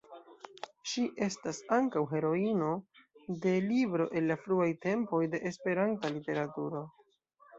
Ŝi estas ankaŭ heroino de libro el la fruaj tempoj de Esperanta literaturo.